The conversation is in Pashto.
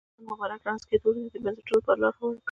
د حسن مبارک رانسکورېدو د دې بنسټونو لپاره لاره هواره کړه.